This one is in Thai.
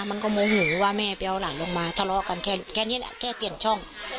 มันก็โมโหว่าแม่ไปเอาหลานลงมาทะเลาะกันแค่นี้แหละแค่เปลี่ยนช่อง